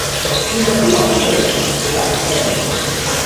He is at the offices, directing.